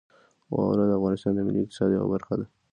واوره د افغانستان د ملي اقتصاد یوه برخه ده.